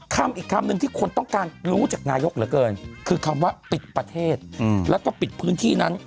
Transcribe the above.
คำอีกคำหนึ่งที่คนต้องการรู้จากนายกเหลือเกินคือคำว่าปิดประเทศแล้วก็ปิดพื้นที่นั้น